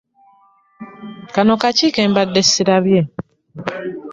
Kano kaki ke mbadde ssirabye?